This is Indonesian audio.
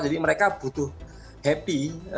jadi mereka butuh happy